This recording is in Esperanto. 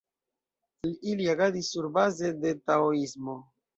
Ili agadis surbaze de taoismo.